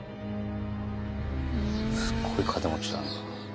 すごい金持ちだな。